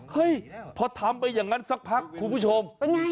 เฮ้ยเพราะทำไปอย่างนั้นสักพักคุณผู้ชม